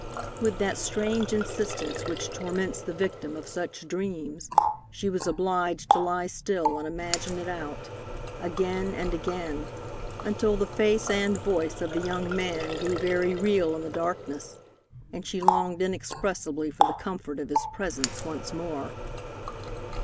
With that strange insistence which torments the victim of such dreams, she was obliged to lie still and imagine it out, again and again, until the face and voice of the young man grew very real in the darkness, and she longed inexpressibly for the comfort of his presence once more.